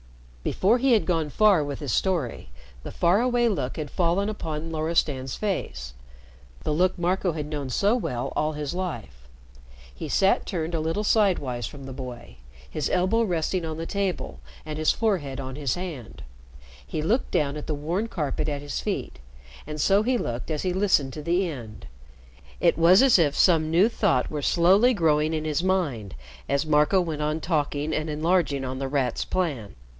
Before he had gone far with his story, the faraway look had fallen upon Loristan's face the look Marco had known so well all his life. He sat turned a little sidewise from the boy, his elbow resting on the table and his forehead on his hand. He looked down at the worn carpet at his feet, and so he looked as he listened to the end. It was as if some new thought were slowly growing in his mind as Marco went on talking and enlarging on The Rat's plan.